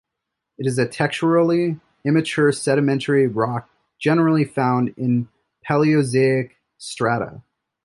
It is a texturally immature sedimentary rock generally found in Paleozoic strata.